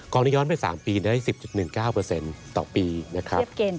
ย้อนไป๓ปีได้๑๐๑๙ต่อปีนะครับ